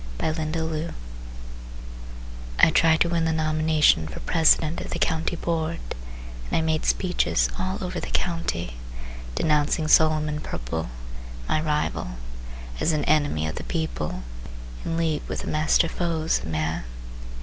Hiram Scates I tried to win the nomination For president of the County board And I made speeches all over the County Denouncing Solomon Purple, my rival, As an enemy of the people, In league with the master foes of man.